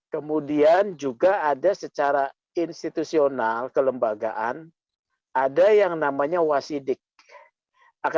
kemudian juga ada secara institusional kelembagaan ada yang namanya wasidik